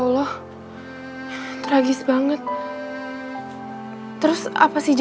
semakin pagi pujian di grupau mayat kita